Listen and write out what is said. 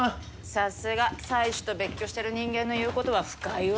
さすが妻子と別居してる人間の言うことは深いわ。